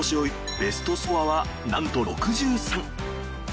ベストスコアはなんと６３。